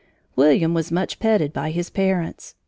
William was much petted by his parents.